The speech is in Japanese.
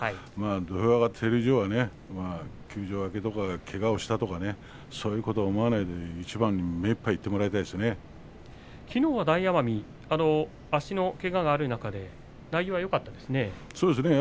土俵に上がっている以上はね休場明けとかけがをしたとかそういうことを思わないで一番に目いっぱいいってきのうは大奄美足のけががある中で内容がよかったですね。